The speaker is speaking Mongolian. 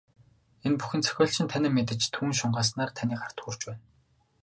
Энэ бүхэн зохиолчийн танин мэдэж, шүүн тунгааснаар таны гарт хүрч байна.